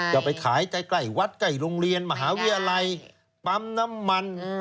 จะไปขายใกล้วัดใกล้โรงเรียนมหาวิทยาลัยปั๊มน้ำมัน